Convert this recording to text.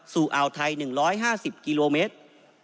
อ่าวไทย๑๕๐กิโลเมตร